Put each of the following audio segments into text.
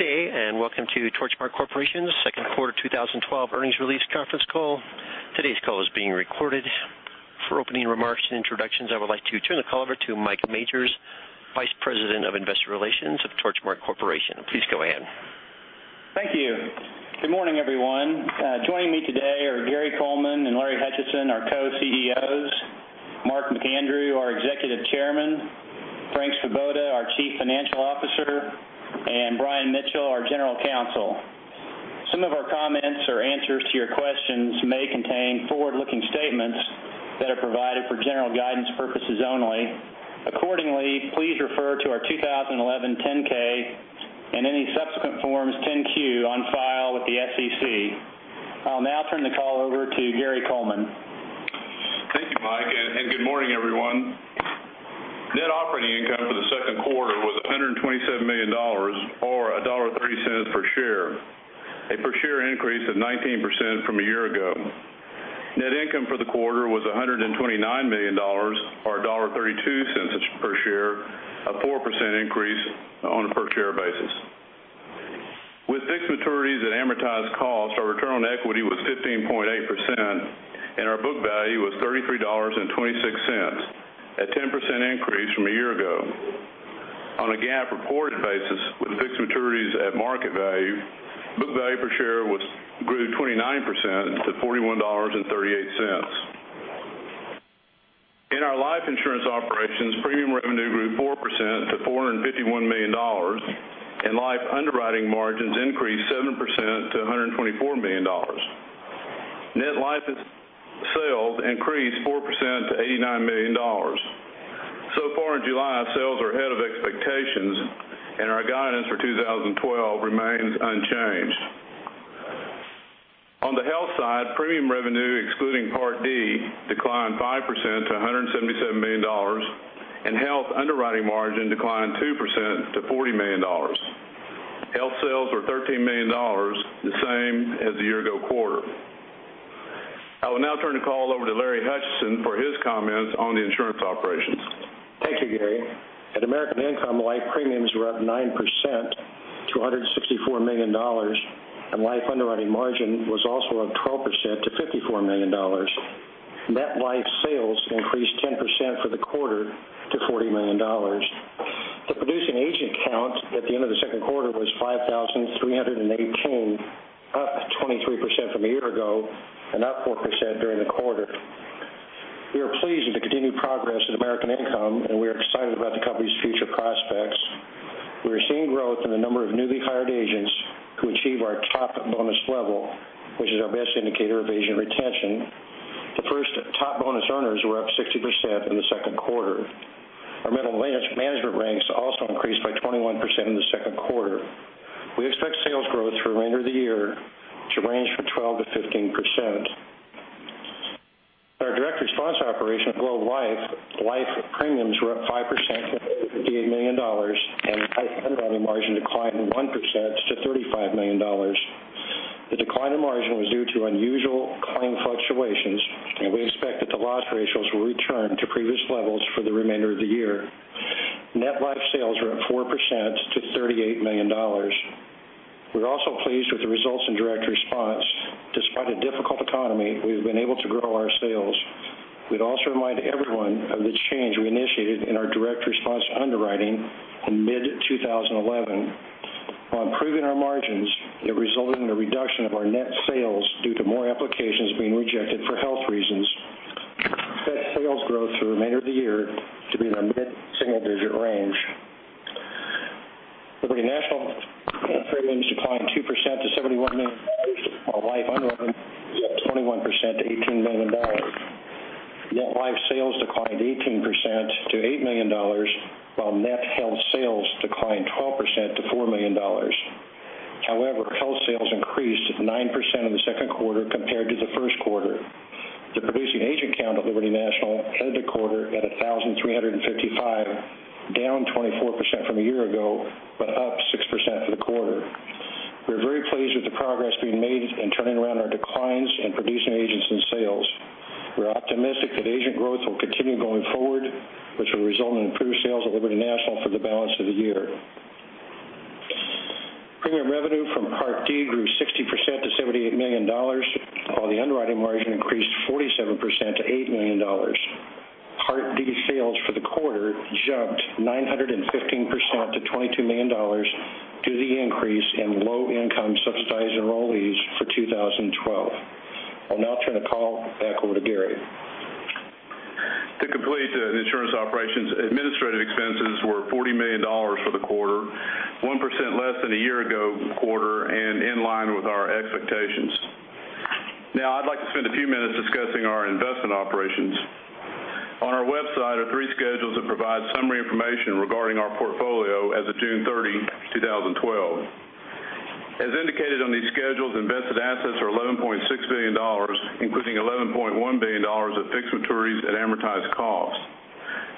Good day, welcome to Torchmark Corporation's second quarter 2012 earnings release conference call. Today's call is being recorded. For opening remarks and introductions, I would like to turn the call over to Mike Majors, Vice President of Investor Relations of Torchmark Corporation. Please go ahead. Thank you. Good morning, everyone. Joining me today are Gary Coleman and Larry Hutchison, our Co-CEOs, Mark McAndrew, our Executive Chairman, Frank Svoboda, our Chief Financial Officer, and Brian Mitchell, our General Counsel. Some of our comments or answers to your questions may contain forward-looking statements that are provided for general guidance purposes only. Accordingly, please refer to our 2011 10-K and any subsequent Forms 10-Q on file with the SEC. I'll now turn the call over to Gary Coleman. Thank you, Mike, good morning, everyone. Net operating income for the second quarter was $127 million, or $1.30 per share, a per share increase of 19% from a year ago. Net income for the quarter was $129 million, or $1.32 per share, a 4% increase on a per share basis. With fixed maturities at amortized cost, our return on equity was 15.8%, our book value was $33.26, a 10% increase from a year ago. On a GAAP reported basis with fixed maturities at market value, book value per share grew 29% to $41.38. In our life insurance operations, premium revenue grew 4% to $451 million, life underwriting margins increased 7% to $124 million. Net life sales increased 4% to $89 million. So far in July, sales are ahead of expectations, our guidance for 2012 remains unchanged. On the health side, premium revenue excluding Part D declined 5% to $177 million, health underwriting margin declined 2% to $40 million. Health sales were $13 million, the same as the year-ago quarter. I will now turn the call over to Larry Hutchison for his comments on the insurance operations. Thank you, Gary. At American Income, life premiums were up 9% to $164 million, and life underwriting margin was also up 12% to $54 million. Net life sales increased 10% for the quarter to $40 million. The producing agent count at the end of the second quarter was 5,318, up 23% from a year ago and up 4% during the quarter. We are pleased with the continued progress at American Income, and we are excited about the company's future prospects. We are seeing growth in the number of newly hired agents who achieve our top bonus level, which is our best indicator of agent retention. The first top bonus earners were up 60% in the second quarter. Our middle management ranks also increased by 21% in the second quarter. We expect sales growth for the remainder of the year to range from 12%-15%. At our direct response operation at Globe Life, life premiums were up 5% to $58 million, and life underwriting margin declined 1% to $35 million. The decline in margin was due to unusual claim fluctuations, and we expect that the loss ratios will return to previous levels for the remainder of the year. Net life sales were up 4% to $38 million. We're also pleased with the results in direct response. Despite a difficult economy, we've been able to grow our sales. We'd also remind everyone of the change we initiated in our direct response underwriting in mid-2011. While improving our margins, it resulted in a reduction of our net sales due to more applications being rejected for health reasons. We expect sales growth for the remainder of the year to be in the mid-single-digit range. Liberty National premiums declined 2% to $71 million, while life underwriting was up 21% to $18 million. Net life sales declined 18% to $8 million, while net health sales declined 12% to $4 million. However, health sales increased 9% in the second quarter compared to the first quarter. The producing agent count at Liberty National ended the quarter at 1,355, down 24% from a year ago, but up 6% for the quarter. We're very pleased with the progress being made in turning around our declines in producing agents and sales. We're optimistic that agent growth will continue going forward, which will result in improved sales at Liberty National for the balance of the year. Premium revenue from Part D grew 60% to $78 million, while the underwriting margin increased 47% to $8 million. Part D sales for the quarter jumped 915% to $22 million due to the increase in low-income subsidized enrollees for 2012. I'll now turn the call back over to Gary. To complete the insurance operations, administrative expenses were $40 million for the quarter, 1% less than a year ago quarter and in line with our expectations. I'd like to spend a few minutes discussing our investment operations. On our website are three schedules that provide summary information regarding our portfolio as of June 30, 2012. As indicated on these schedules, invested assets are $11.6 billion, including $11.1 billion of fixed maturities at amortized costs.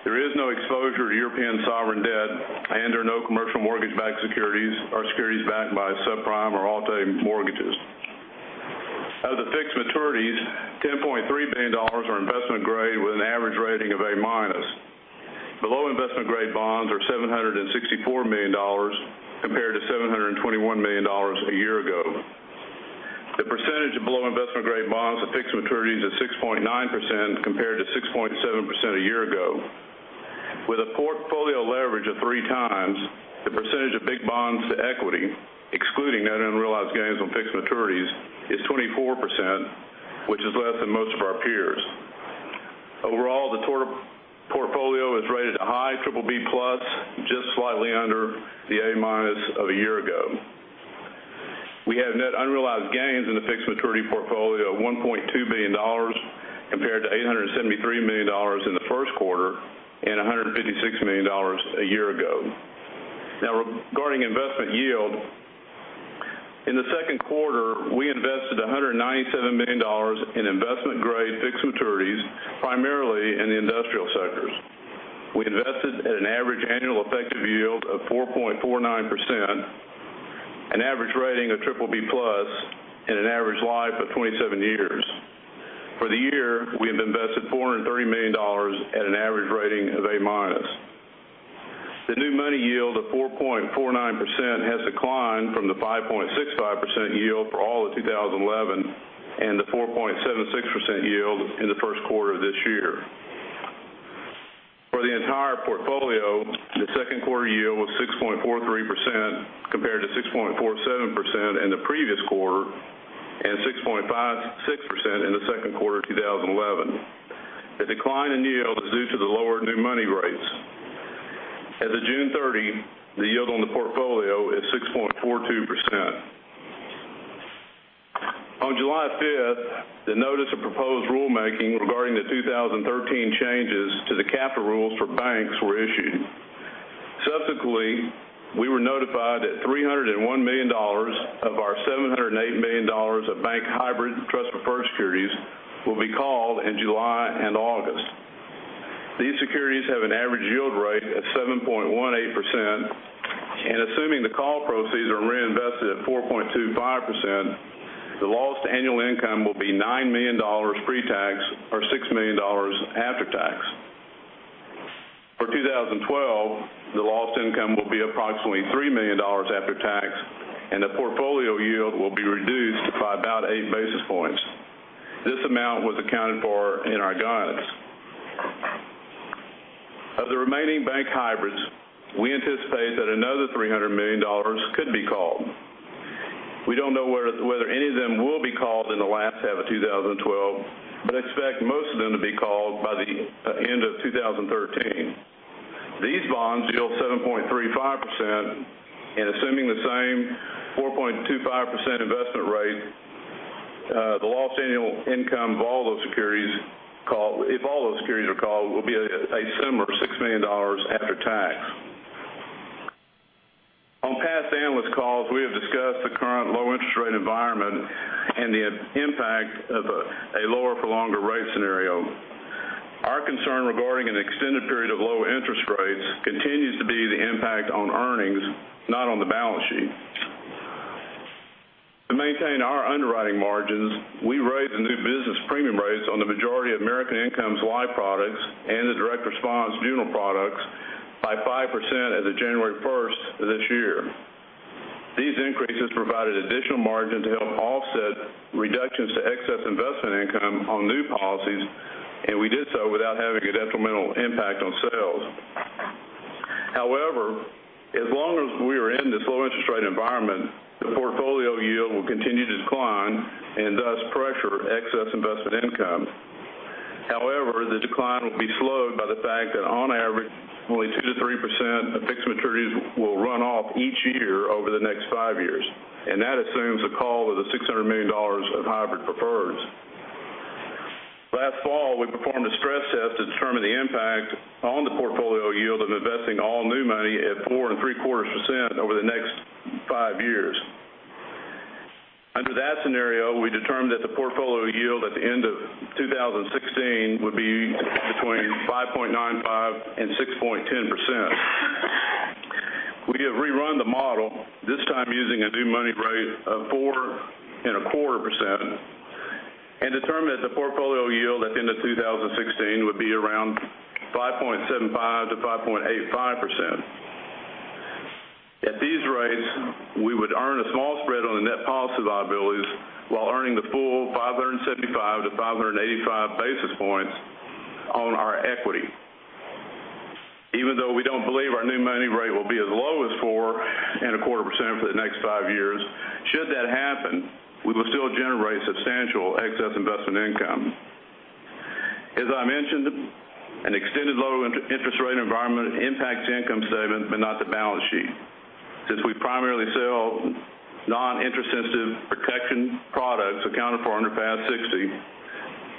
There is no exposure to European sovereign debt, and there are no commercial mortgage-backed securities or securities backed by subprime or alt-A mortgages. $10.3 billion are investment grade with an average rating of A minus. Below investment grade bonds are $764 million compared to $721 million a year ago. The percentage of below investment grade bonds of fixed maturities is 6.9% compared to 6.7% a year ago. With a portfolio leverage of three times, the percentage of big bonds to equity, excluding net unrealized gains on fixed maturities, is 24%, which is less than most of our peers. Overall, the total portfolio is rated a high BBB plus, just slightly under the A minus of a year ago. We have net unrealized gains in the fixed maturity portfolio of $1.2 billion, compared to $873 million in the first quarter and $156 million a year ago. Regarding investment yield, in the second quarter, we invested $197 million in investment-grade fixed maturities, primarily in the industrial sectors. We invested at an average annual effective yield of 4.49%, an average rating of BBB plus, and an average life of 27 years. For the year, we have invested $430 million at an average rating of A minus. The new money yield of 4.49% has declined from the 5.65% yield for all of 2011 and the 4.76% yield in the first quarter of this year. For the entire portfolio, the second quarter yield was 6.43%, compared to 6.47% in the previous quarter and 6.56% in the second quarter of 2011. The decline in yield is due to the lower new money rates. As of June 30, the yield on the portfolio is 6.42%. On July 5th, the notice of proposed rulemaking regarding the 2013 changes to the capital rules for banks were issued. Subsequently, we were notified that $301 million of our $708 million of bank hybrid trust preferred securities will be called in July and August. These securities have an average yield rate of 7.18%, and assuming the call proceeds are reinvested at 4.25%, the lost annual income will be $9 million pre-tax, or $6 million after tax. For 2012, the lost income will be approximately $3 million after tax, and the portfolio yield will be reduced by about eight basis points. This amount was accounted for in our guidance. Of the remaining bank hybrids, we anticipate that another $300 million could be called. We don't know whether any of them will be called in the last half of 2012, but expect most of them to be called by the end of 2013. These bonds yield 7.35%, and assuming the same 4.25% investment rate, the lost annual income of all those securities, if all those securities are called, will be a similar $6 million after tax. On past analyst calls, we have discussed the current low interest rate environment and the impact of a lower for longer rate scenario. Our concern regarding an extended period of low interest rates continues to be the impact on earnings, not on the balance sheet. To maintain our underwriting margins, we raised the new business premium rates on the majority of American Income Life products and the direct response funeral products by 5% as of January 1st this year. These increases provided additional margin to help offset reductions to excess investment income on new policies, and we did so without having a detrimental impact on sales. As long as we are in this low interest rate environment, the portfolio yield will continue to decline and thus pressure excess investment income. The decline will be slowed by the fact that on average, only 2% to 3% of fixed maturities will run off each year over the next five years, and that assumes a call of the $600 million of hybrid preferreds. Last fall, we performed a stress test to determine the impact on the portfolio yield of investing all new money at 4.75% over the next five years. Under that scenario, we determined that the portfolio yield at the end of 2016 would be between 5.95% and 6.10%. We have rerun the model, this time using a new money rate of 4.25%, and determined that the portfolio yield at the end of 2016 would be around 5.75% to 5.85%. At these rates, we would earn a small spread on the net policy liabilities while earning the full 575 to 585 basis points on our equity. Even though we don't believe our new money rate will be as low as 4.25% for the next five years, should that happen, we will still generate substantial excess investment income. As I mentioned, an extended low interest rate environment impacts income statement, but not the balance sheet. Since we primarily sell non-interest sensitive protection products accounted for under FAS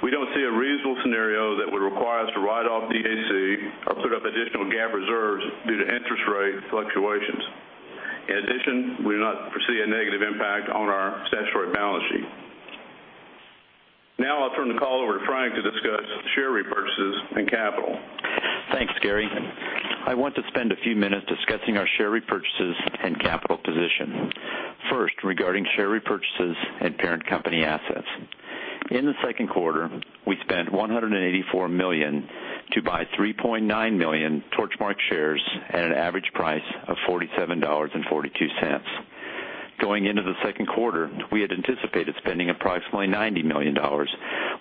60, we don't see a reasonable scenario that would require us to write off DAC or put up additional GAAP reserves due to interest rate fluctuations. In addition, we do not foresee a negative impact on our statutory balance sheet. Now I'll turn the call over to Frank to discuss share repurchases and capital. Thanks, Gary. I want to spend a few minutes discussing our share repurchases and capital. First, regarding share repurchases and parent company assets. In the second quarter, we spent $184 million to buy 3.9 million Torchmark shares at an average price of $47.42. Going into the second quarter, we had anticipated spending approximately $90 million,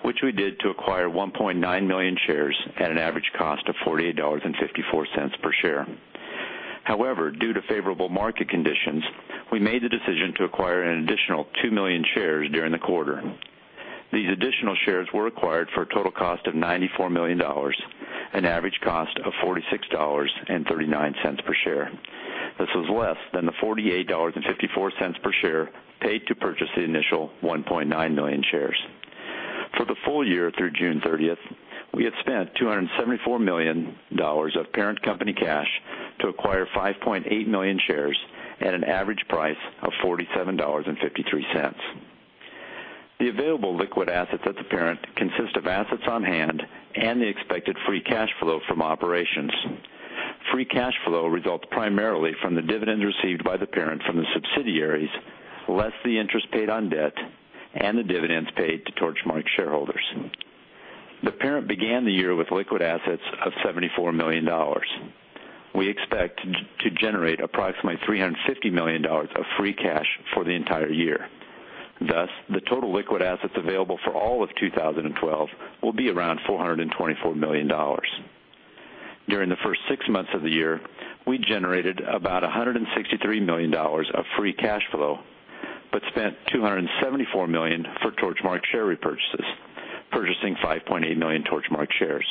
which we did to acquire 1.9 million shares at an average cost of $48.54 per share. Due to favorable market conditions, we made the decision to acquire an additional 2 million shares during the quarter. These additional shares were acquired for a total cost of $94 million, an average cost of $46.39 per share. This was less than the $48.54 per share paid to purchase the initial 1.9 million shares. For the full year through June 30th, we had spent $274 million of parent company cash to acquire 5.8 million shares at an average price of $47.53. The available liquid assets at the parent consist of assets on hand and the expected free cash flow from operations. Free cash flow results primarily from the dividends received by the parent from the subsidiaries, less the interest paid on debt and the dividends paid to Torchmark shareholders. The parent began the year with liquid assets of $74 million. We expect to generate approximately $350 million of free cash for the entire year. Thus, the total liquid assets available for all of 2012 will be around $424 million. During the first six months of the year, we generated about $163 million of free cash flow, but spent $274 million for Torchmark share repurchases, purchasing 5.8 million Torchmark shares.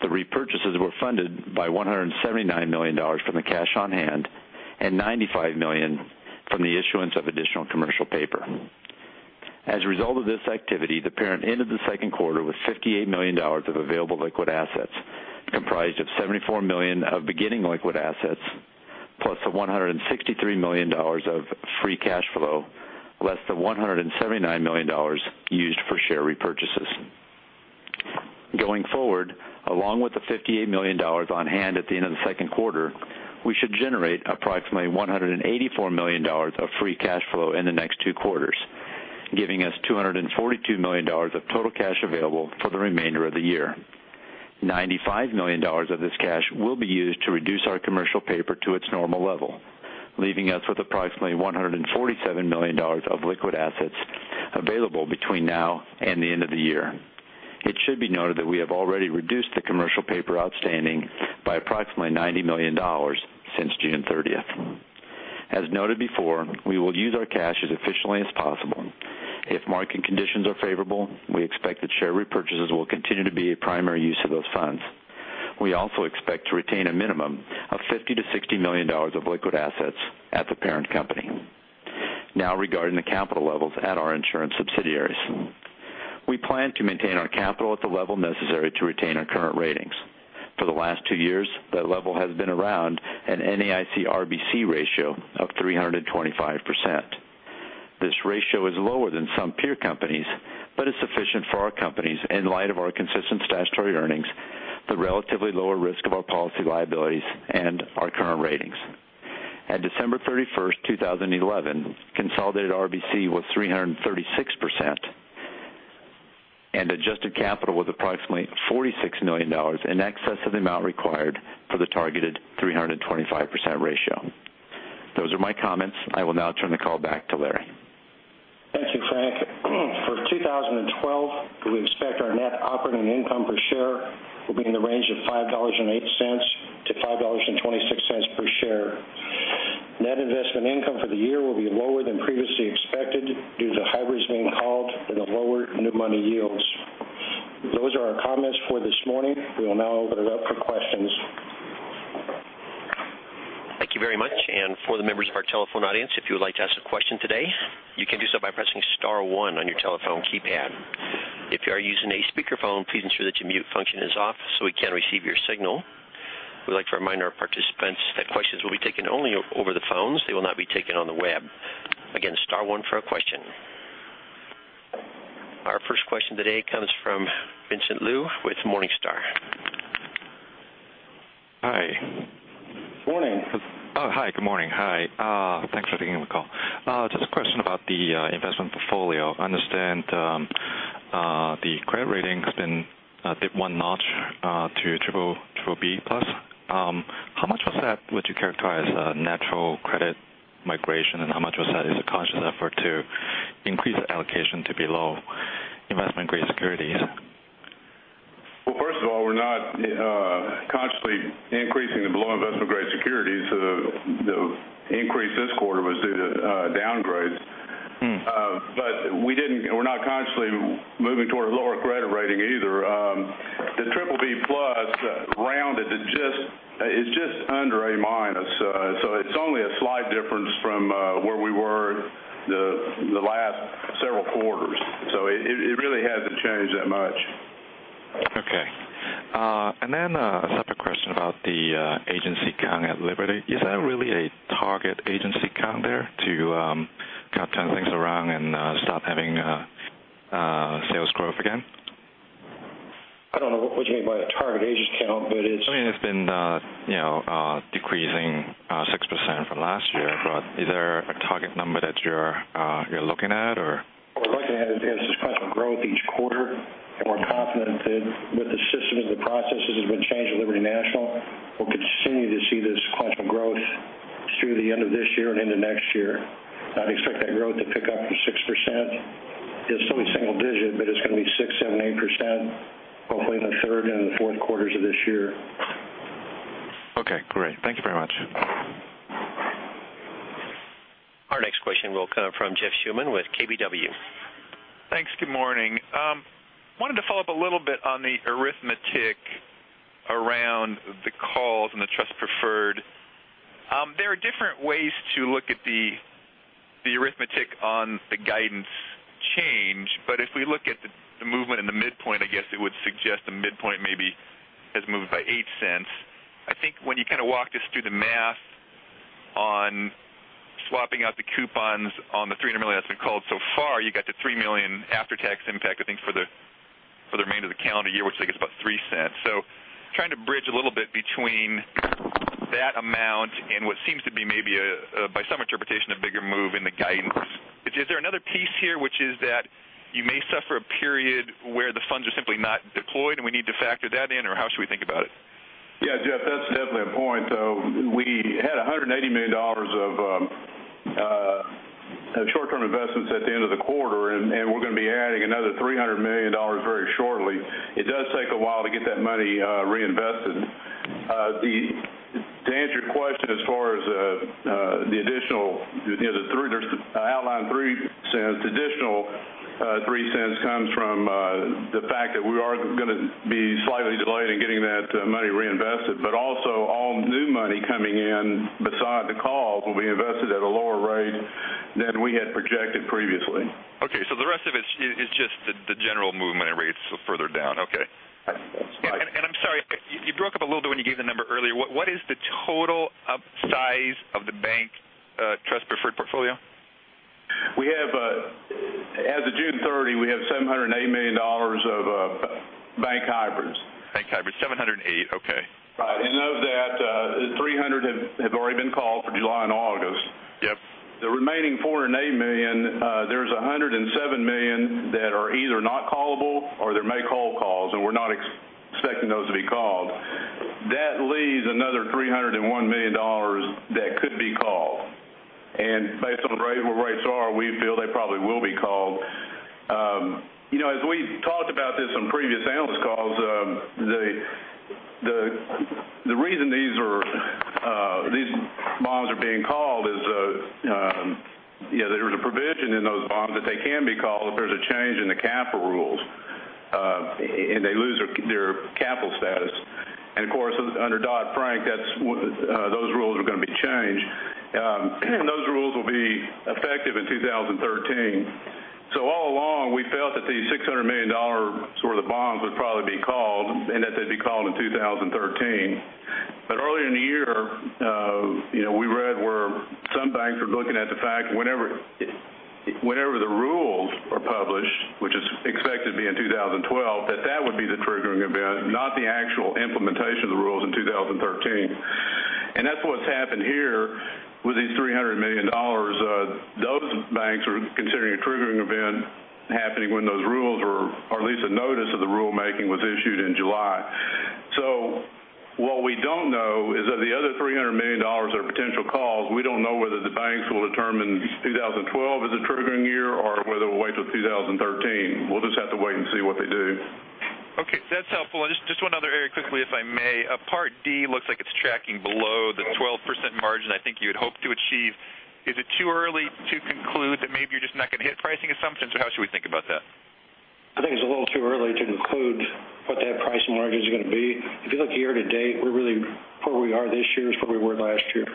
The repurchases were funded by $179 million from the cash on hand and $95 million from the issuance of additional commercial paper. As a result of this activity, the parent ended the second quarter with $58 million of available liquid assets, comprised of $74 million of beginning liquid assets, plus the $163 million of free cash flow, less the $179 million used for share repurchases. Going forward, along with the $58 million on hand at the end of the second quarter, we should generate approximately $184 million of free cash flow in the next two quarters, giving us $242 million of total cash available for the remainder of the year. $95 million of this cash will be used to reduce our commercial paper to its normal level, leaving us with approximately $147 million of liquid assets available between now and the end of the year. It should be noted that we have already reduced the commercial paper outstanding by approximately $90 million since June 30th. As noted before, we will use our cash as efficiently as possible. If market conditions are favorable, we expect that share repurchases will continue to be a primary use of those funds. We also expect to retain a minimum of $50 million-$60 million of liquid assets at the parent company. Now, regarding the capital levels at our insurance subsidiaries. We plan to maintain our capital at the level necessary to retain our current ratings. For the last two years, that level has been around an NAIC RBC ratio of 325%. This ratio is lower than some peer companies, but is sufficient for our companies in light of our consistent statutory earnings, the relatively lower risk of our policy liabilities, and our current ratings. At December 31st, 2011, consolidated RBC was 336% and adjusted capital was approximately $46 million in excess of the amount required for the targeted 325% ratio. Those are my comments. I will now turn the call back to Larry. Thank you, Frank. For 2012, we expect our net operating income per share will be in the range of $5.08-$5.26 per share. Net investment income for the year will be lower than previously expected due to hybrids being called and the lower new money yields. Those are our comments for this morning. We will now open it up for questions. Thank you very much. For the members of our telephone audience, if you would like to ask a question today, you can do so by pressing star one on your telephone keypad. If you are using a speakerphone, please ensure that your mute function is off so we can receive your signal. We'd like to remind our participants that questions will be taken only over the phones. They will not be taken on the web. Again, star one for a question. Our first question today comes from Vincent Lui with Morningstar. Hi. Morning. Hi. Good morning. Hi. Thanks for taking the call. Just a question about the investment portfolio. I understand the credit rating has been dipped one notch to BBB+. How much of that would you characterize as a natural credit migration, and how much of that is a conscious effort to increase the allocation to below investment-grade securities? Well, first of all, we're not consciously increasing the below investment-grade securities. The increase this quarter was due to downgrades. We're not consciously moving toward a lower credit rating either. The BBB+ rounded is just under A-. It's only a slight difference from where we were the last several quarters. It really hasn't changed that much. Okay. I just have a question about the agency count at Liberty. Is that really a target agency count there to kind of turn things around and start having sales growth again? I don't know what you mean by a target agent count. I mean, it's been decreasing 6% from last year, is there a target number that you're looking at? We're looking at sequential growth each quarter, and we're confident that with the systems and the processes that have been changed with Liberty National, we'll continue to see this sequential growth through the end of this year and into next year. I'd expect that growth to pick up from 6%. It's still going to be single digit, but it's going to be 6%, 7%, 8%, hopefully in the third and the fourth quarters of this year. Okay, great. Thank you very much. Our next question will come from Jeff Schuman with KBW. Thanks. Good morning. Wanted to follow up a little bit on the arithmetic around the calls and the trust preferred. There are different ways to look at the arithmetic on the guidance change. If we look at the movement in the midpoint, I guess it would suggest the midpoint maybe has moved by $0.08. I think when you kind of walk us through the math on swapping out the coupons on the $300 million that's been called so far, you got the $3 million after-tax impact, I think, for the remainder of the calendar year, which I guess is about $0.03. Trying to bridge a little bit between that amount and what seems to be maybe, by some interpretation, a bigger move in the guidance. Is there another piece here which is that you may suffer a period where the funds are simply not deployed and we need to factor that in, or how should we think about it? Yeah, Jeff, that's definitely a point. We had $180 million of short-term investments at the end of the quarter, and we're going to be adding another $300 million very shortly. It does take a while to get that money reinvested. To answer your question, as far as the additional, there's the outlined $0.03. Additional $0.03 comes from the fact that we are going to be slightly delayed in getting that money reinvested. Also all new money coming in beside the call will be invested at a lower rate than we had projected previously. Okay, the rest of it is just the general movement and rates further down. Okay. That's right. I'm sorry, you broke up a little bit when you gave the number earlier. What is the total size of the bank trust preferred portfolio? As of June 30, we have $708 million of bank hybrids. Bank hybrids, $708, okay. Right. Of that, $300 have already been called for July and August. Yep. The remaining $480 million, there's $107 million that are either not callable or they may call calls, and we're not expecting those to be called. That leaves another $301 million that could be called. Based on where rates are, we feel they probably will be called. As we talked about this on previous analyst calls, the reason these bonds are being called is there's a provision in those bonds that they can be called if there's a change in the capital rules, and they lose their capital status. Of course, under Dodd-Frank, those rules are going to be changed. Those rules will be effective in 2013. All along, we felt that these $600 million worth of bonds would probably be called, and that they'd be called in 2013. Earlier in the year, we read where some banks were looking at the fact whenever the rules are published, which is expected to be in 2012, that that would be the triggering event, not the actual implementation of the rules in 2013. That's what's happened here with these $300 million. Those banks are considering a triggering event happening when those rules or at least a notice of the rulemaking was issued in July. What we don't know is that the other $300 million are potential calls. We don't know whether the banks will determine 2012 as a triggering year or whether we'll wait till 2013. We'll just have to wait and see what they do. Okay. That's helpful. Just one other area quickly, if I may. Part D looks like it's tracking below the 12% margin I think you had hoped to achieve. Is it too early to conclude that maybe you're just not going to hit pricing assumptions, or how should we think about that? I think it's a little too early to conclude what that pricing margin is going to be. If you look year-to-date, where we are this year is where we were last year.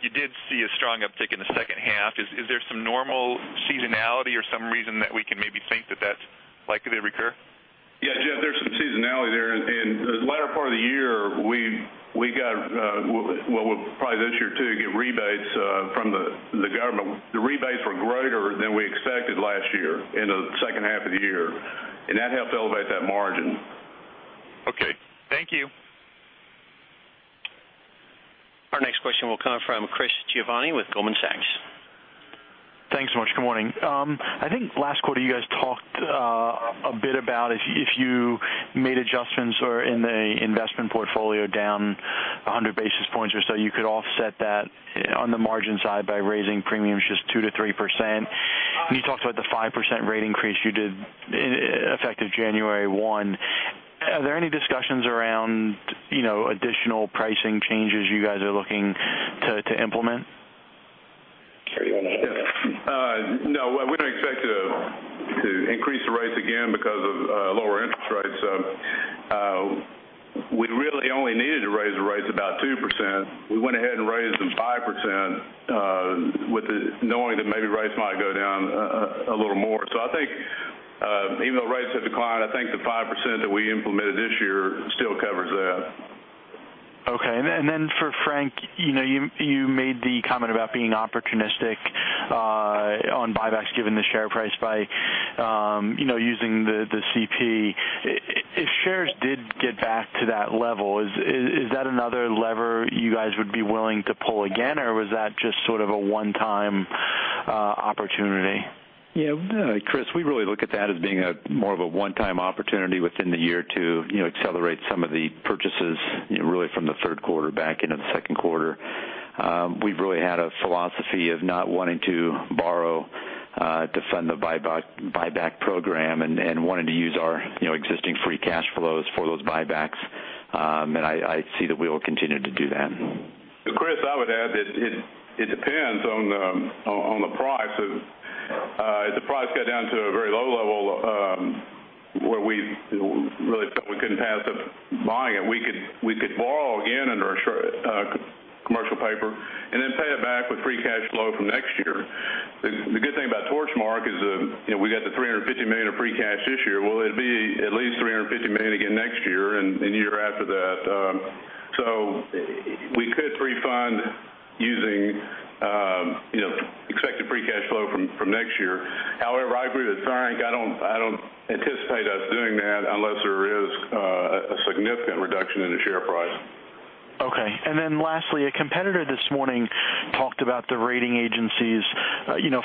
You did see a strong uptick in the second half. Is there some normal seasonality or some reason that we can maybe think that that's likely to recur? Yeah, Jeff, there's some seasonality there, and the latter part of the year, we got, well, probably this year too, get rebates from the government. The rebates were greater than we expected last year in the second half of the year, and that helped elevate that margin. Okay. Thank you. Our next question will come from Chris Giovanni with Goldman Sachs. Thanks so much. Good morning. I think last quarter you guys talked a bit about if you made adjustments in the investment portfolio down 100 basis points or so, you could offset that on the margin side by raising premiums just 2%-3%. You talked about the 5% rate increase you did effective January 1. Are there any discussions around additional pricing changes you guys are looking to implement? Gary, you want to handle that? No, we don't expect to increase the rates again because of lower interest rates. We really only needed to raise the rates about 2%. We went ahead and raised them 5% knowing that maybe rates might go down a little more. I think even though rates have declined, I think the 5% that we implemented this year still gives Okay. Then for Frank, you made the comment about being opportunistic on buybacks given the share price by using the CP. If shares did get back to that level, is that another lever you guys would be willing to pull again, or was that just sort of a one-time opportunity? Chris, we really look at that as being more of a one-time opportunity within the year to accelerate some of the purchases really from the third quarter back into the second quarter. We've really had a philosophy of not wanting to borrow to fund the buyback program and wanting to use our existing free cash flows for those buybacks. I see that we will continue to do that. Chris, I would add that it depends on the price. If the price got down to a very low level, where we really felt we couldn't pass up buying it, we could borrow again under our commercial paper and then pay it back with free cash flow from next year. The good thing about Torchmark is we got the $350 million of free cash this year. It'd be at least $350 million again next year and the year after that. We could pre-fund using expected free cash flow from next year. However, I agree with Frank. I don't anticipate us doing that unless there is a significant reduction in the share price. Lastly, a competitor this morning talked about the rating agencies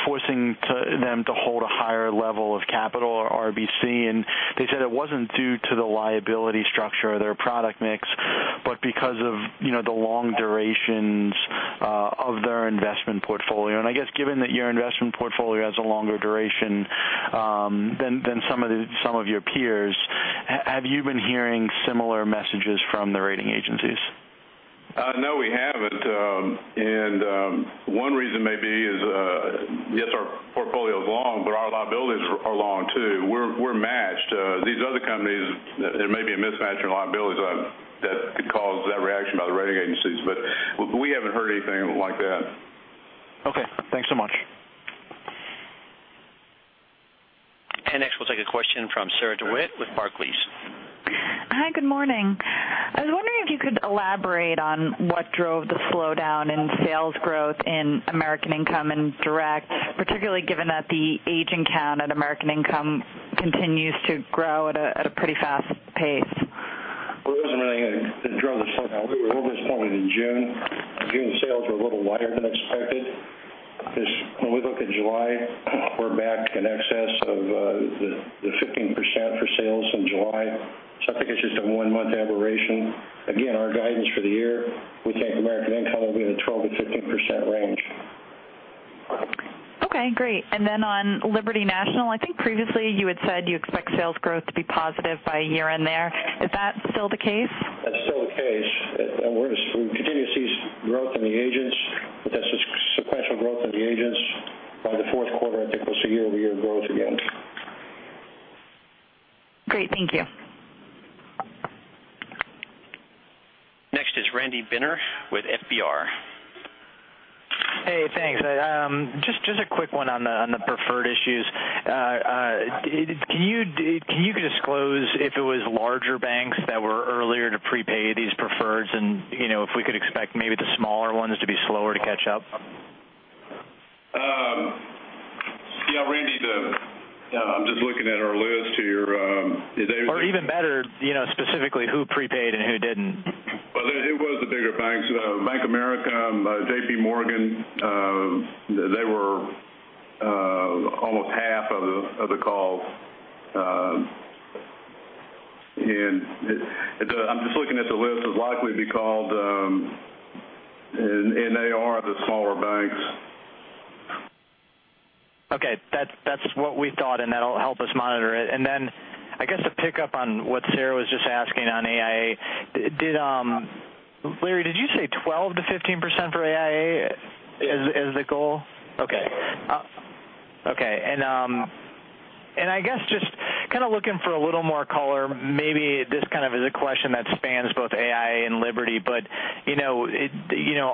forcing them to hold a higher level of capital or RBC, and they said it wasn't due to the liability structure of their product mix, but because of the long durations of their investment portfolio. I guess given that your investment portfolio has a longer duration than some of your peers, have you been hearing similar messages from the rating agencies? No, we haven't. One reason may be is, yes, our portfolio is long, but our liabilities are long too. We're matched. These other companies, there may be a mismatch in liabilities that could cause that reaction by the rating agencies, but we haven't heard anything like that. Okay. Thanks so much. Next, we'll take a question from Sarah DeWitt with Barclays. Hi, good morning. I was wondering if you could elaborate on what drove the slowdown in sales growth in American Income and Direct, particularly given that the agent count at American Income continues to grow at a pretty fast pace. Well, it wasn't really what drove the slowdown. We were a little disappointed in June. June sales were a little lighter than expected. When we look at July, we're back in excess of the 15% for sales in July. I think it's just a one-month aberration. Our guidance for the year, we think American Income will be in the 12%-15% range. Okay, great. On Liberty National, I think previously you had said you expect sales growth to be positive by year-end there. Is that still the case? That's still the case. We continue to see sequential growth in the agents. By the fourth quarter, I think we'll see year-over-year growth again. Great. Thank you. Next is Randy Binner with FBR. Hey, thanks. Just a quick one on the preferred issues. Can you disclose if it was larger banks that were earlier to prepay these preferreds and if we could expect maybe the smaller ones to be slower to catch up? Yeah, Randy, I'm just looking at our list here. Even better, specifically who prepaid and who didn't. Well, it was the bigger banks. Bank of America, JPMorgan, they were almost half of the calls. I'm just looking at the list. It'd likely be called, they are the smaller banks. Okay. That's what we thought, and that'll help us monitor it. I guess to pick up on what Sarah was just asking on AIA, Larry, did you say 12%-15% for AIA as the goal? Yes. Okay. I guess just kind of looking for a little more color, maybe this kind of is a question that spans both AIA and Liberty, but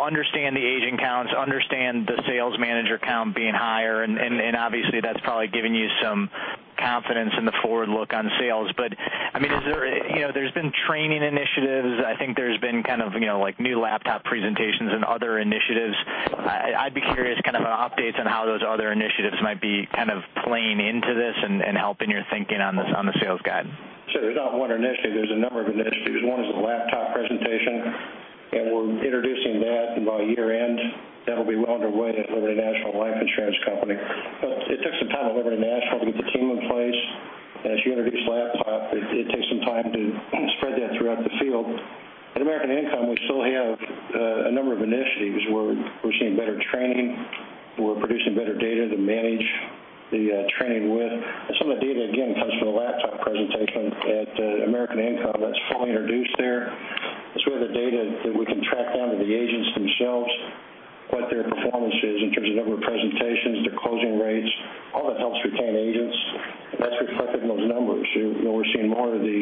understand the agent counts, understand the sales manager count being higher, and obviously, that's probably giving you some confidence in the forward look on sales. There's been training initiatives. I think there's been new laptop presentations and other initiatives. I'd be curious kind of updates on how those other initiatives might be kind of playing into this and helping your thinking on the sales guide. Sure. There's not one initiative, there's a number of initiatives. One is the laptop presentation, and we're introducing that, and by year-end, that'll be well underway at Liberty National Life Insurance Company. It took some time at Liberty National to get the team in place. As you introduce laptop, it takes some time to spread that throughout the field. At American Income, we still have a number of initiatives. We're seeing better training. We're producing better data to manage the training with. Some of the data, again, comes from the laptop presentation at American Income. That's fully introduced there. That's where the data that we can track down to the agents themselves, what their performance is in terms of number of presentations, their closing rates. All that helps retain agents, and that's reflected in those numbers. We're seeing more of the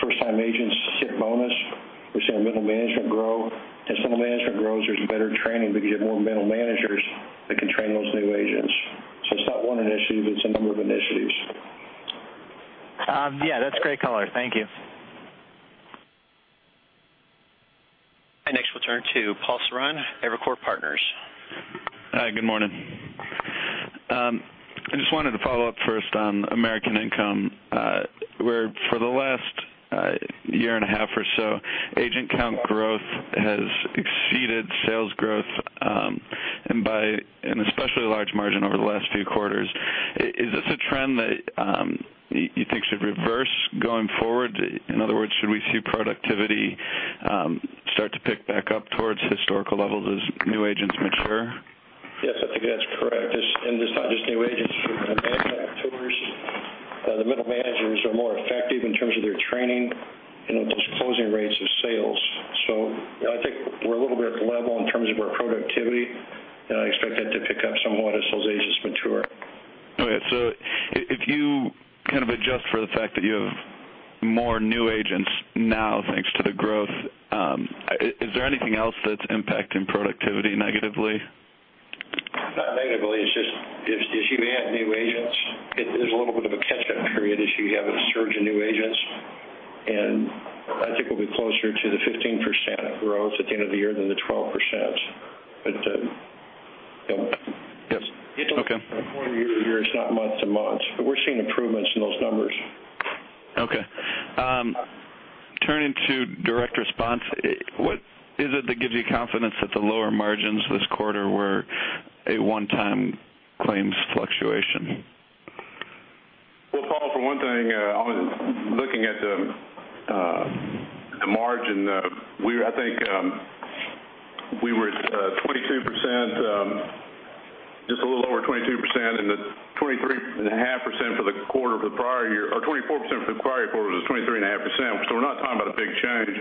first-time agents hit bonus. We're seeing middle management grow. As middle management grows, there's better training because you have more middle managers that can train those new agents Yeah, that's a great color. Thank you. Next we'll turn to Paul McCann, Evercore Partners. Hi, good morning. I just wanted to follow up first on American Income, where for the last one and a half years or so, agent count growth has exceeded sales growth, and by an especially large margin over the last few quarters. Is this a trend that you think should reverse going forward? In other words, should we see productivity start to pick back up towards historical levels as new agents mature? Yes, I think that's correct. It's not just new agents. You have managers. The middle managers are more effective in terms of their training and those closing rates of sales. I think we're a little bit level in terms of our productivity, and I expect that to pick up somewhat as those agents mature. Okay, if you adjust for the fact that you have more new agents now, thanks to the growth, is there anything else that's impacting productivity negatively? Not negatively. It's just, as you add new agents, there's a little bit of a catch-up period as you have a surge in new agents, and I think we'll be closer to the 15% growth at the end of the year than the 12%. Yes. Okay It's year-to-year, it's not month-to-month. We're seeing improvements in those numbers. Turning to direct response, what is it that gives you confidence that the lower margins this quarter were a one-time claims fluctuation? Paul, for one thing, I was looking at the margin. I think we were at 22%, just a little over 22%, and at 23.5% for the quarter for the prior year, or 24% for the prior quarter was 23.5%, we're not talking about a big change.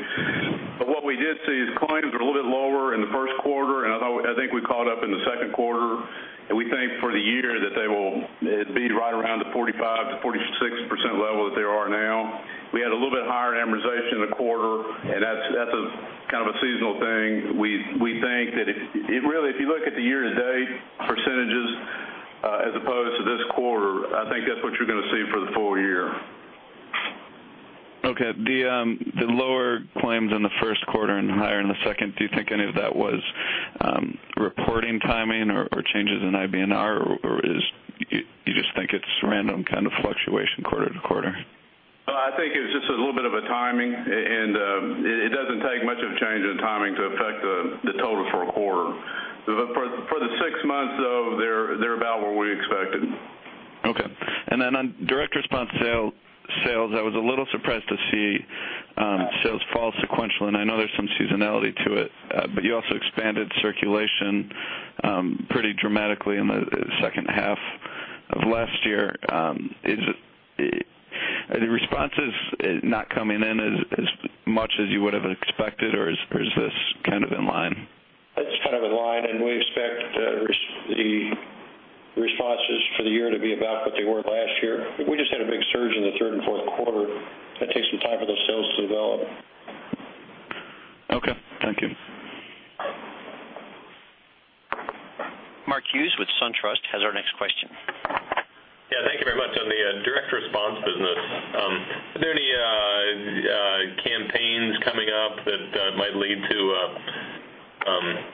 What we did see is claims were a little bit lower in the first quarter, and I think we caught up in the second quarter, and we think for the year that they will be right around the 45%-46% level that they are now. We had a little bit higher amortization in the quarter, and that's a seasonal thing. We think that if you look at the year-to-date percentages as opposed to this quarter, I think that's what you're going to see for the full year. The lower claims in the first quarter and higher in the second, do you think any of that was reporting timing or changes in IBNR, or you just think it's random fluctuation quarter to quarter? I think it's just a little bit of a timing. It doesn't take much of a change in timing to affect the total for a quarter. For the six months though, they're about what we expected. On direct response sales, I was a little surprised to see sales fall sequential. I know there's some seasonality to it. You also expanded circulation pretty dramatically in the second half of last year. Are the responses not coming in as much as you would've expected, or is this in line? It's kind of in line. We expect the responses for the year to be about what they were last year. We just had a big surge in the third and fourth quarter. That takes some time for those sales to develop. Okay, thank you. Mark Hughes with SunTrust has our next question. Yeah, thank you very much. On the direct response business, are there any campaigns coming up that might lead to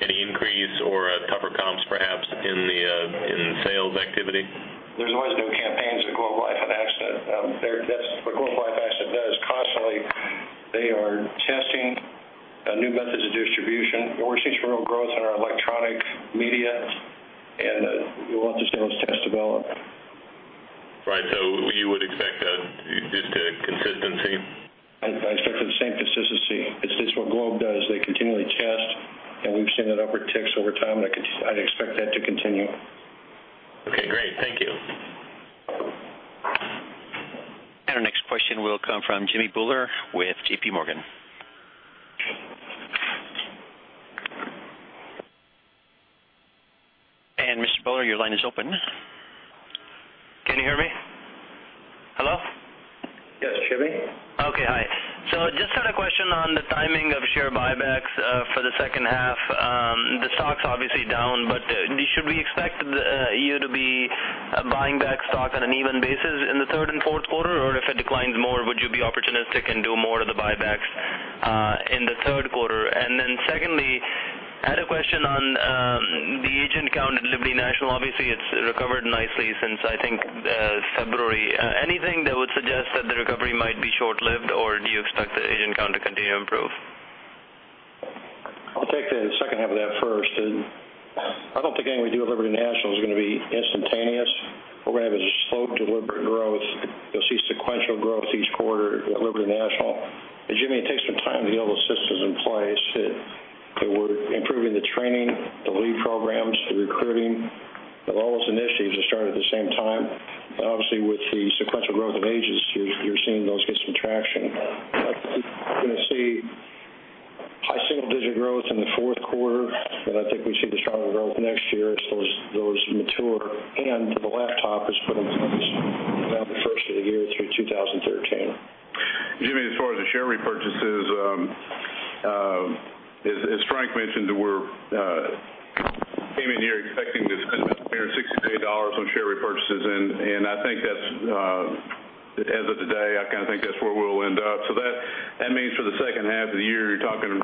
any increase or tougher comps perhaps in sales activity? There's always new campaigns at Globe Life and Accident. What Globe Life and Accident does constantly, they are testing new methods of distribution. We're seeing some real growth in our electronic media, and we'll have to see how those tests develop. Right. You would expect just a consistency? I expect the same consistency. It's what Globe does. They continually test, and we've seen that upward ticks over time, and I'd expect that to continue. Okay, great. Thank you. Our next question will come from Jimmy Bhullar with J.P. Morgan. Mr. Bhullar, your line is open. Can you hear me? Hello? Yes, Jimmy? Okay, hi. Just had a question on the timing of share buybacks for the second half. The stock's obviously down, but should we expect you to be buying back stock on an even basis in the third and fourth quarter? Or if it declines more, would you be opportunistic and do more of the buybacks in the third quarter? Secondly, I had a question on the agent count at Liberty National. Obviously, it's recovered nicely since, I think, February. Anything that would suggest that the recovery might be short-lived, or do you expect the agent count to continue to improve? I'll take the second half of that first. I don't think anything we do at Liberty National is going to be instantaneous. What we have is a slow, deliberate growth. You'll see sequential growth each quarter at Liberty National. Jimmy, it takes some time to get all the systems in place that we're improving the training, the lead programs, the recruiting. All those initiatives have started at the same time. Obviously, with the sequential growth of agents, you're seeing those get some traction. I think you're going to see high single-digit growth in the fourth quarter, but I think we see the stronger growth next year as those mature and the laptop is put in place around the first of the year through 2013. Jimmy, as far as the share repurchases, as Frank mentioned, we came in here expecting to $68 on share repurchases. As of today, I think that's where we'll end up. That means for the second half of the year, you're talking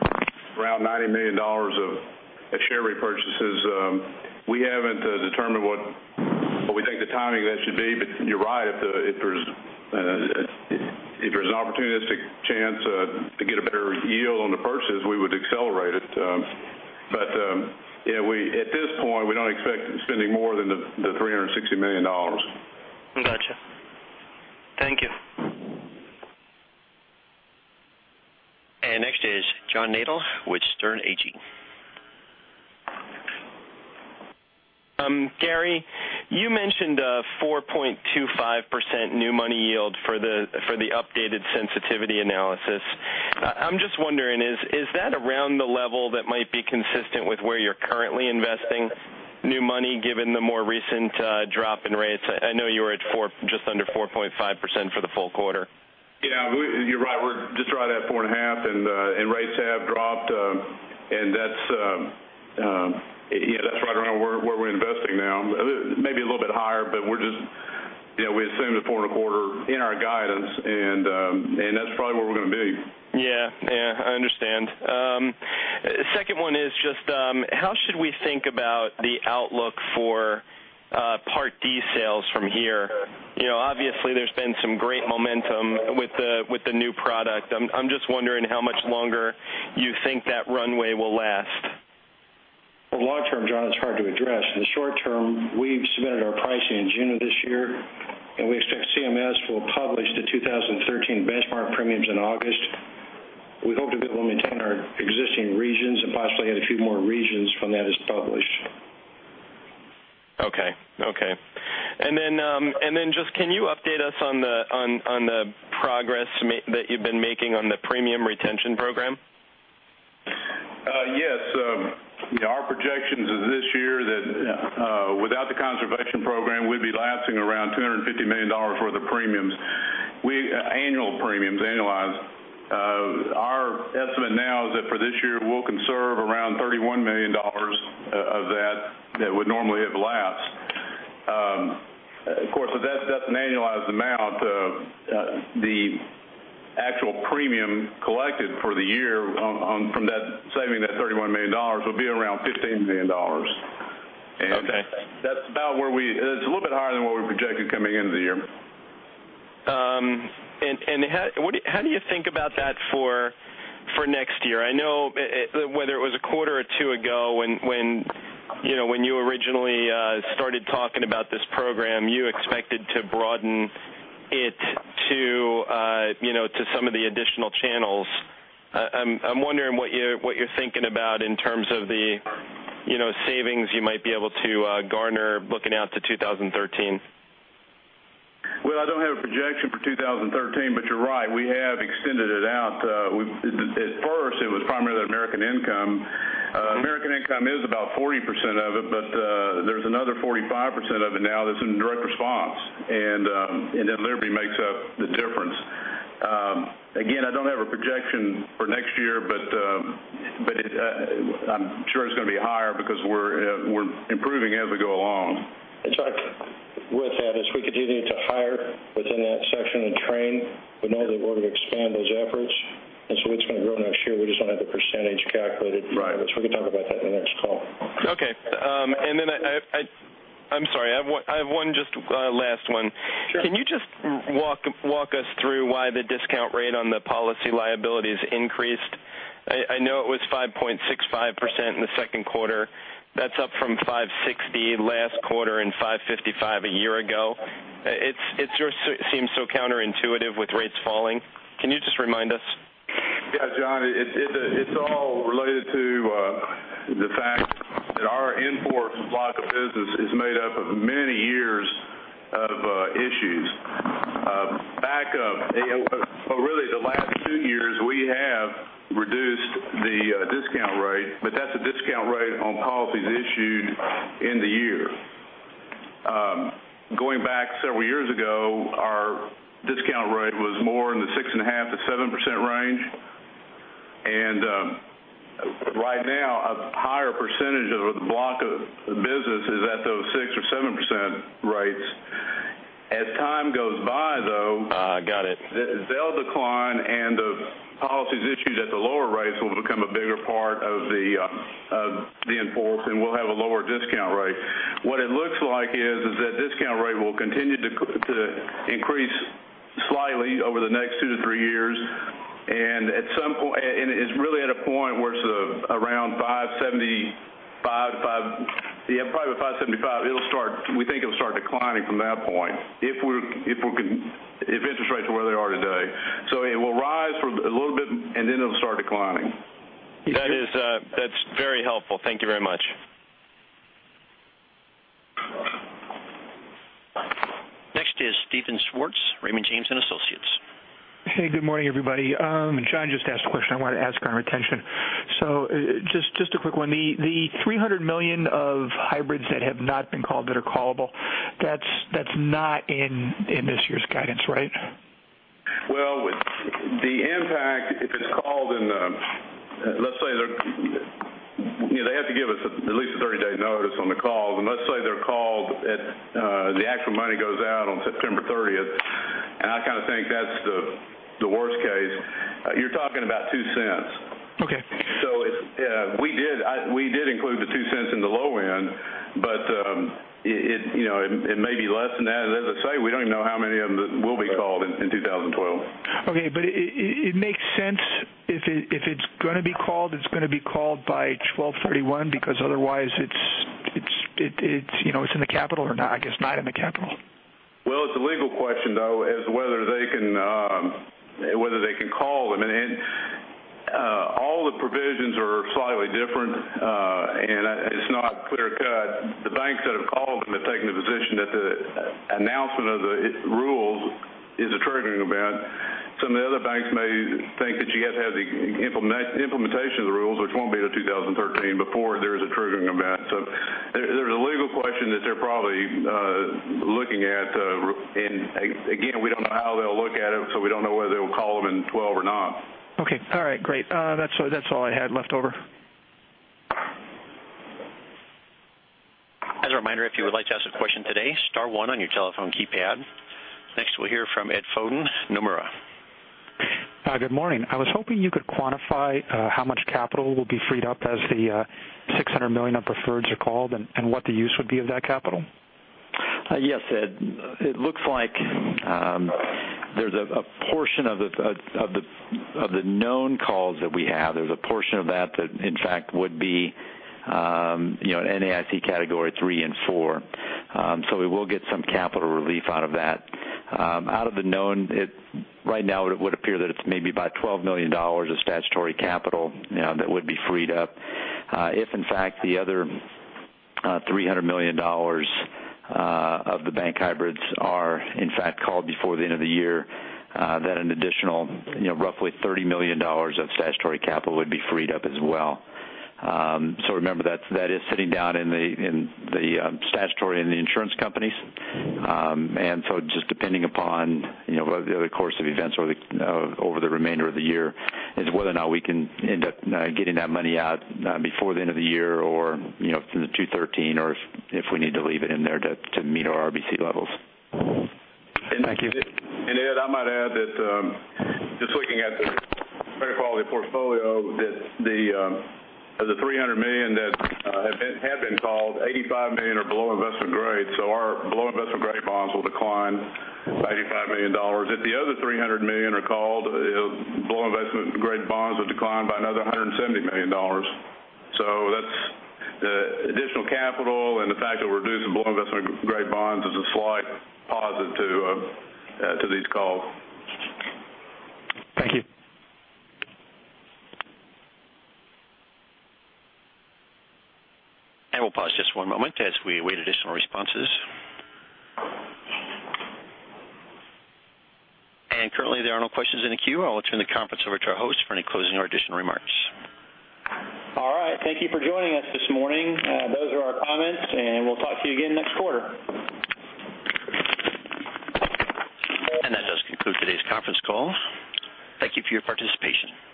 around $90 million of share repurchases. We haven't determined what we think the timing of that should be, but you're right. If there's an opportunistic chance to get a better yield on the purchases, we would accelerate it. At this point, we don't expect spending more than the $360 million. Got you. Thank you. Next is John Nadel with Sterne Agee. Gary, you mentioned a 4.25% new money yield for the updated sensitivity analysis. I'm just wondering, is that around the level that might be consistent with where you're currently investing new money given the more recent drop in rates? I know you were at just under 4.5% for the full quarter. Yeah. You're right. We're just right at 4.5, rates have dropped. That's right around where we're investing now. Maybe a little bit higher, we assumed a four and a quarter in our guidance, that's probably where we're going to be. Yeah. I understand. Second one is just, how should we think about the outlook for Part D sales from here? Obviously, there's been some great momentum with the new product. I'm just wondering how much longer you think that runway will last. Well, long term, John Nadel, it's hard to address. In the short term, we've submitted our pricing in June of this year. We expect CMS will publish the 2013 benchmark premiums in August. We hope to be able to maintain our existing regions and possibly add a few more regions when that is published. Okay. Can you update us on the progress that you've been making on the premium retention program? Yes. Our projections is this year that without the conservation program, we'd be lapsing around $250 million for the premiums. Annual premiums, annualized. Our estimate now is that for this year, we'll conserve around $31 million of that would normally have lapsed. Of course, that's an annualized amount. The actual premium collected for the year from saving that $31 million would be around $15 million. Okay. It's a little bit higher than what we projected coming into the year. How do you think about that for next year? I know whether it was a quarter or two ago when you originally started talking about this program, you expected to broaden it to some of the additional channels. I'm wondering what you're thinking about in terms of the savings you might be able to garner looking out to 2013. Well, I don't have a projection for 2013, but you're right, we have extended it out. At first, it was primarily American Income. American Income is about 40% of it, but there's another 45% of it now that's in direct response. Then Liberty makes up the difference. Again, I don't have a projection for next year, but I'm sure it's going to be higher because we're improving as we go along. John, with that, as we continue to hire within that section and train, we know that we're going to expand those efforts. So it's going to grow next year. We just don't have the percentage calculated. Right. We can talk about that in the next call. Okay. I'm sorry, I have one just last one. Sure. Can you just walk us through why the discount rate on the policy liabilities increased? I know it was 5.65% in the second quarter. That's up from 5.60% last quarter and 5.55% a year ago. It just seems so counterintuitive with rates falling. Can you just remind us? Yeah, John, it's all related to the fact that our in-force block of business is made up of many years of issues. Back up, really the last two years, we have reduced the discount rate, but that's a discount rate on policies issued in the year. Going back several years ago, our discount rate was more in the 6.5%-7% range. Right now, a higher percentage of the block of business is at those 6% or 7% rates. As time goes by, though Got it they'll decline, and the policies issued at the lower rates will become a bigger part of the in-force, and we'll have a lower discount rate. What it looks like is that discount rate will continue to increase slightly over the next two to three years. It's really at a point where it's around probably 5.75%, we think it'll start declining from that point, if interest rates are where they are today. It will rise for a little bit, and then it'll start declining. That's very helpful. Thank you very much. Next is Steven Schwartz, Raymond James & Associates. Hey, good morning, everybody. John just asked a question I wanted to ask on retention. Just a quick one. The $300 million of hybrids that have not been called that are callable, that's not in this year's guidance, right? They have to give us at least a 30-day notice on the calls. Let's say they're called at the actual money goes out on September 30th. I think that's the worst case. You're talking about $0.02. Okay. We did include the $0.02 in the low end. It may be less than that. I say, we don't even know how many of them will be called in 2012. It makes sense if it's going to be called, it's going to be called by 12/31 because otherwise it's in the capital or not. I guess not in the capital. Well, it's a legal question, though, as whether they can call them. All the provisions are slightly different, and it's not clear cut. The banks that have called them have taken the position that the announcement of the rules is a triggering event. Some of the other banks may think that you have to have the implementation of the rules, which won't be until 2013, before there is a triggering event. There's a legal question that they're probably looking at. Again, we don't know how they'll look at it, we don't know whether they'll call them in '12 or not. Okay. All right, great. That's all I had left over. As a reminder, if you would like to ask a question today, star one on your telephone keypad. Next, we'll hear from Ed Foden, Nomura. Good morning. I was hoping you could quantify how much capital will be freed up as the $600 million of preferreds are called, and what the use would be of that capital. Yes, Ed. It looks like there's a portion of the known calls that we have. There's a portion of that in fact would be NAIC Category 3 and IV. We will get some capital relief out of that. Out of the known, right now it would appear that it's maybe about $12 million of statutory capital that would be freed up. If in fact the other $300 million of the bank hybrids are in fact called before the end of the year, then an additional roughly $30 million of statutory capital would be freed up as well. Remember, that is sitting down in the statutory and the insurance companies. Just depending upon the course of events over the remainder of the year is whether or not we can end up getting that money out before the end of the year or from the 2013, or if we need to leave it in there to meet our RBC levels. Thank you. Ed, I might add that just looking at the credit quality portfolio, that of the $300 million that have been called, $85 million are below investment grade. Our below investment grade bonds will decline $85 million. If the other $300 million are called, below investment grade bonds would decline by another $170 million. That's the additional capital and the fact that we're reducing below investment grade bonds is a slight positive to these calls. Thank you. We'll pause just one moment as we await additional responses. Currently, there are no questions in the queue. I'll turn the conference over to our host for any closing or additional remarks. All right. Thank you for joining us this morning. Those are our comments, and we'll talk to you again next quarter. That does conclude today's conference call. Thank you for your participation.